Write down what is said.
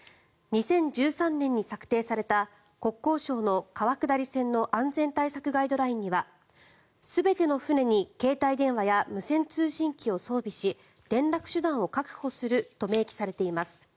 ２０１３年に策定された国交省の川下り船の安全対策ガイドラインには全ての船に携帯電話や無線通信機を装備し連絡手段を確保すると明記されています。